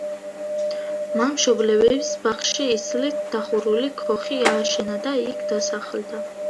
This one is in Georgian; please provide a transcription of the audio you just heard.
მან მშობლების ბაღში ისლით დახურული ქოხი ააშენა და იქ დასახლდა.